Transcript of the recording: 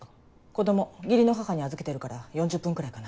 子供義理の母に預けてるから４０分くらいかな。